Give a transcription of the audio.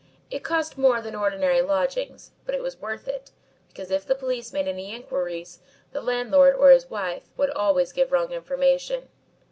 It cost more than ordinary lodging but it was worth it, because if the police made any inquiries the landlord or his wife would always give wrong information.